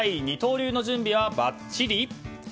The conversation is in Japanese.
二刀流の準備はバッチリ？